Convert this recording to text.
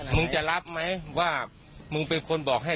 มึงจะรับไหมว่ามึงเป็นคนบอกให้